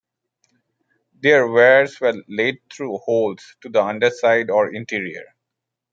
Their wires were led through holes to the underside or interior.